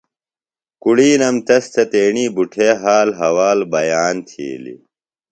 کُڑِینم تس تھےۡ تیݨی بٹھے حال حوال بیان تِھیلیۡ